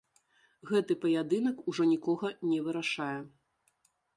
Гэты паядынак ужо нікога не вырашае.